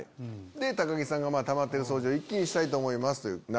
高木さんが「溜まっている掃除を一気にしたいと思います」。